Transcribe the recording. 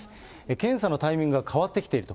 検査のタイミングが変わってきていると。